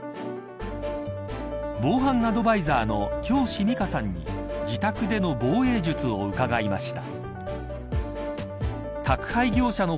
防犯アドバイザーの京師美佳さんに自宅での防衛術を伺いました。